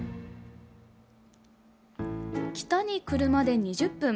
北に車で２０分。